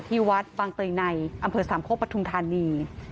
ที่วัดบางตีในอำเภอสามโคบประธุนตาลี